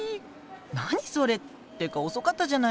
何それ？ってか遅かったじゃない。